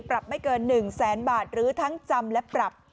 ปรับไม่เกิน๑แสนบาทหรือทั้งจำและปรับ